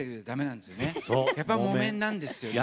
やっぱり木綿なんですよね。